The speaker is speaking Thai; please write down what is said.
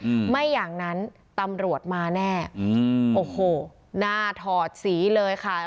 อืมไม่อย่างนั้นตำรวจมาแน่อืมโอ้โหหน้าถอดสีเลยค่ะ